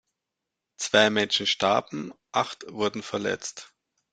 Zwei Menschen starben, acht wurden verletzt.